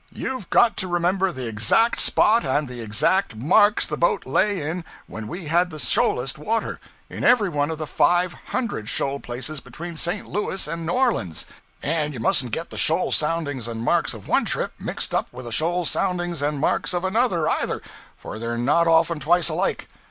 You've got to remember the exact spot and the exact marks the boat lay in when we had the shoalest water, in everyone of the five hundred shoal places between St. Louis and New Orleans; and you mustn't get the shoal soundings and marks of one trip mixed up with the shoal soundings and marks of another, either, for they're not often twice alike.